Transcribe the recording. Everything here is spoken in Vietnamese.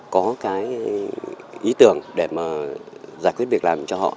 có cái ý tưởng để mà giải quyết việc làm cho họ